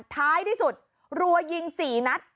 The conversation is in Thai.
ท้ายที่สุดรัวยิง๔นัด